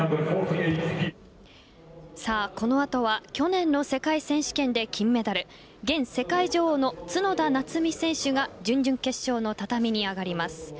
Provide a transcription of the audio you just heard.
さあ、この後は去年の世界選手権で金メダル元世界女王の角田夏実選手が準々決勝の畳に上がります。